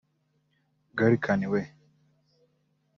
Gallican we